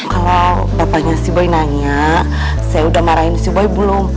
kalau bapaknya si boy nanya saya udah marahin si boy belum